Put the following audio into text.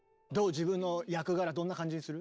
自分の役柄どんな感じする？